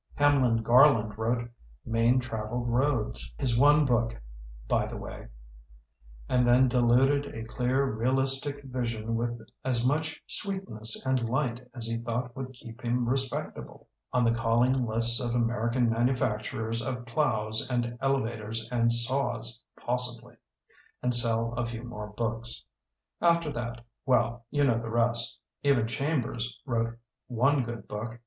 Hamlin Garland wrote 'Main Traveled Roads' — ^his one book» by the way — and then diluted a clear realistic vision with as much sweetness and light as he thought would keep him respectable (on the calling lists of American manufacturers of plows and elevators and saws, possibly) and sell a few more books. After that — ^well, you know the rest. Even Chambers wrote one good book.